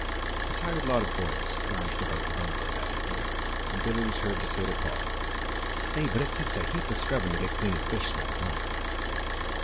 A tired lot of boys lounged about the bungalow that evening and Billy was heard to say to Paul, "Say, but it takes a heap of scrubbing to get clean of fish smell, don't it?"